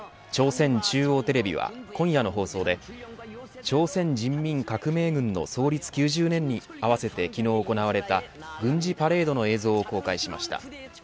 朝鮮中央テレビは今夜の放送で朝鮮人民革命軍の創立９０年にあわせて昨日行われた軍事パレードの映像を公開しました。